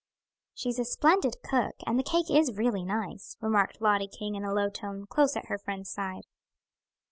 "She's a splendid cook and the cake is really nice," remarked Lottie King in a low tone, close at her friend's side.